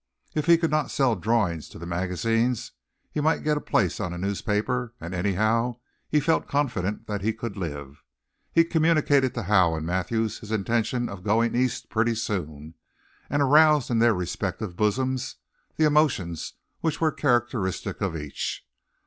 If he could not sell drawings to the magazines he might get a place on a newspaper and anyhow he felt confident that he could live. He communicated to Howe and Mathews his intention of going East pretty soon and aroused in their respective bosoms the emotions which were characteristic of each.